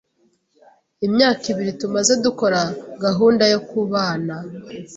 Imyaka ibiri tumaze dukora gahunda yokubana